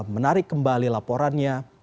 menarik kembali laporannya